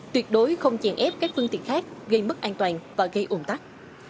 tuyệt đối không chèn ép các phương tiện khác gây mất an toàn và gây ủng tắc